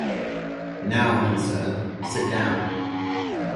‘Now,’ he said, ‘sit down'.